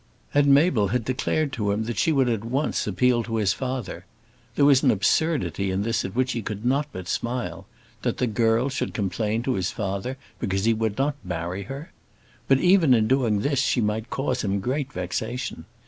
And Mabel had declared to him that she would at once appeal to his father. There was an absurdity in this at which he could not but smile, that the girl should complain to his father because he would not marry her! But even in doing this she might cause him great vexation.